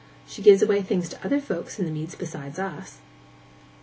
She gives away things to other folks in the meads besides us.